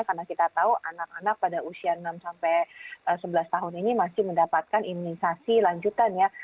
karena kita tahu anak anak pada usia enam sebelas tahun ini masih mendapatkan imunisasi lanjutannya